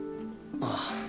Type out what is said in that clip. ああ。